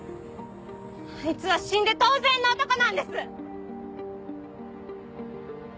あいつは死んで当然の男なんです！